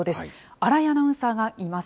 新井アナウンサーがいます。